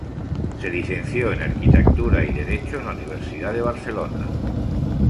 Se licenció en arquitectura y Derecho en la Universidad de Barcelona.